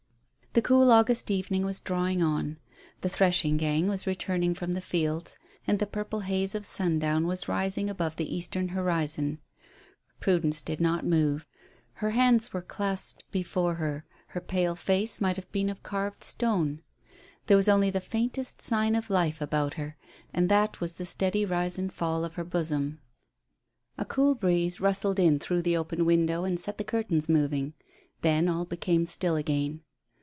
The cool August evening was drawing on. The threshing gang was returning from the fields, and the purple haze of sundown was rising above the eastern horizon; Prudence did not move. Her hands were clasped before her; her pale face might have been of carved stone. There was only the faintest sign of life about her, and that was the steady rise and fall of her bosom. A cool breeze rustled in through the open window and set the curtains moving. Then all became still again.